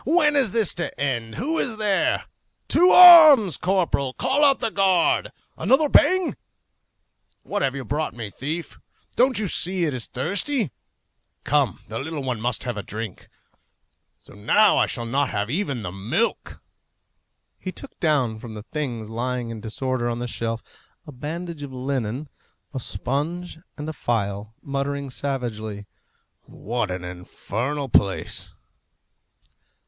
When is this to end? Who is there? To arms! Corporal, call out the guard! Another bang! What have you brought me, thief! Don't you see it is thirsty? Come! the little one must have a drink. So now I shall not have even the milk!" He took down from the things lying in disorder on the shelf a bandage of linen, a sponge and a phial, muttering savagely, "What an infernal place!"